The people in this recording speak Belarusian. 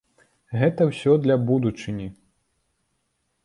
Гэта ўсё для будучыні.